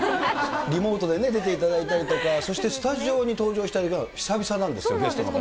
リモートでね、出ていただいたりとか、そしてスタジオに登場していただいたのは久々です、ゲストの方。